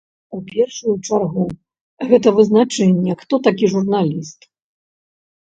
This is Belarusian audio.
У першую чаргу, гэта вызначэнне, хто такі журналіст.